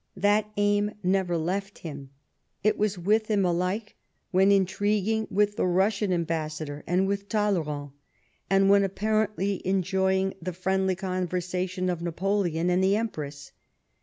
That aim never left him. It was with him alike when intriguing with the Russian ambassador and with Talleyrand, and when apparently enjoying the friendly conversation of Napoleon and the Empress.